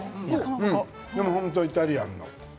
でも本当にイタリアンな。